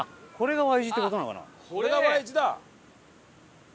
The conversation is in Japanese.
これがＹ字だ！